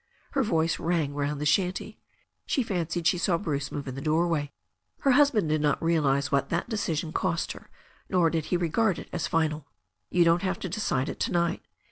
Her voice rang round the shanty. She fancied she saw Bruce move in the doorway. Her husband did not realize what that decision cost her, nor did he regard it as final. "You don't have to decide it to night.